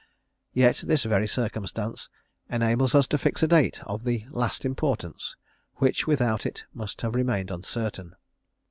Yet this very circumstance enables us to fix a date of the last importance, which without it must have remained uncertain.